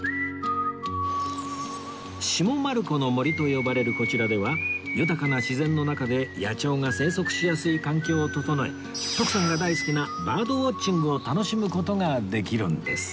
下丸子の森と呼ばれるこちらでは豊かな自然の中で野鳥が生息しやすい環境を整え徳さんが大好きなバードウォッチングを楽しむ事ができるんです